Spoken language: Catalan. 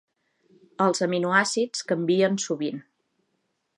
Els aminoàcids canvien sovint.